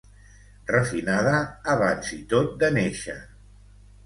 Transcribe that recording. Refinada abans i tot de néixer.